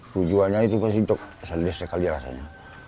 tujuannya itu pasti sedih sekali rasanya